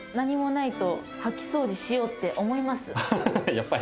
やっぱり。